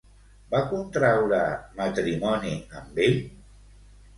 Va contraure matrimoni amb ell?